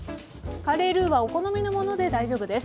カレールーはお好みのもので大丈夫です。